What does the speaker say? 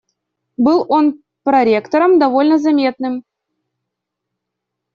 Был он проректором, довольно заметным.